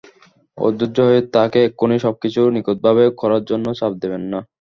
অধৈর্য হয়ে তাকে এক্ষুনি সবকিছু নিখুঁতভাবে করার জন্য চাপ দেবেন না।